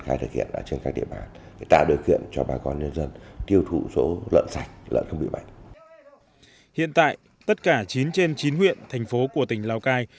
hiện tại tất cả chín trên chín huyện thành phố của tỉnh lào cai